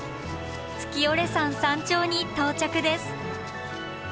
月居山山頂に到着です。